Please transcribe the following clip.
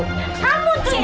kamu tuh ya